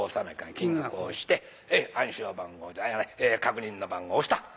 金額押して暗証番号確認の番号押した。